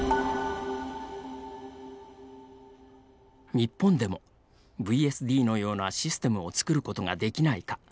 日本でもＶＳＤのようなシステムを作ることができないか。